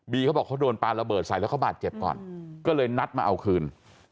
เขาบอกเขาโดนปลาระเบิดใส่แล้วเขาบาดเจ็บก่อนก็เลยนัดมาเอาคืน